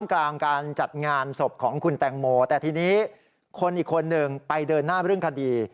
กลางการจัดงานศพของคุณแตงโมแต่ทีนี้คนอีกคนหนึ่งไปเดินหน้าเรื่องคดี